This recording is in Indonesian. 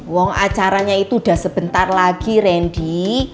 wong acaranya itu udah sebentar lagi ren di